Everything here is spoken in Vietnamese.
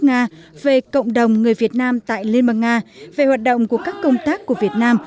nga về cộng đồng người việt nam tại liên bang nga về hoạt động của các công tác của việt nam